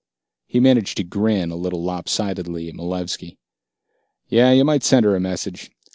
He managed to grin, a little lopsidedly, at Malevski. "Yeah. You might send her a message.